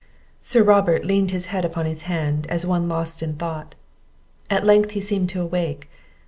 Sir Robert leaned his head upon his hand, as one lost in thought; at length he seemed to awake.